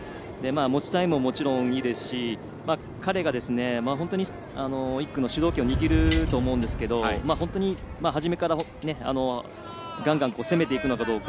持ちタイムももちろんいいですし彼が本当に１区の主導権を握ると思うんですが本当に、はじめからガンガン攻めていくのかどうか。